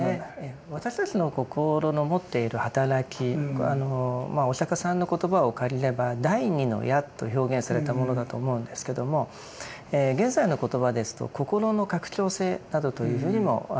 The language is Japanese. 私たちの心の持っている働きお釈迦さんの言葉を借りれば「第２の矢」と表現されたものだと思うんですけども現在の言葉ですと「心の拡張性」などというふうにも表現されます。